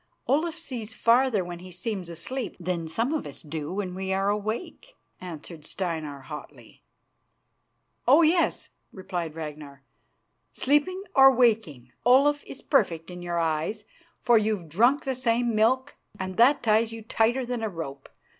"Olaf sees farther when he seems asleep than some of us do when we are awake," answered Steinar hotly. "Oh yes," replied Ragnar. "Sleeping or waking, Olaf is perfect in your eyes, for you've drunk the same milk, and that ties you tighter than a rope.